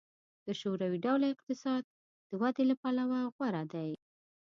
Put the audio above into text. د شوروي ډوله اقتصاد د ودې له پلوه غوره دی